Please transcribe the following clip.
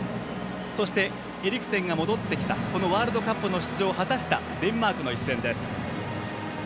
そして、エリクセンが戻ってきたワールドカップの出場を果たしたデンマークとの一戦です。